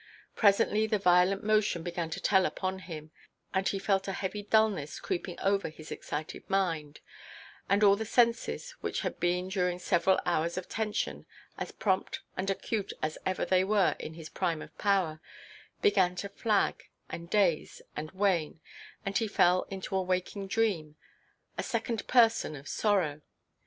Presently the violent motion began to tell upon him, and he felt a heavy dullness creeping over his excited mind; and all the senses, which had been during several hours of tension as prompt and acute as ever they were in his prime of power, began to flag, and daze, and wane, and he fell into a waking dream, a "second person" of sorrow.